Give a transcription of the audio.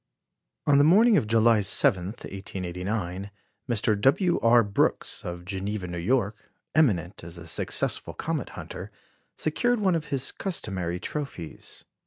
On the morning of July 7, 1889, Mr. W. R. Brooks, of Geneva, New York, eminent as a successful comet hunter, secured one of his customary trophies.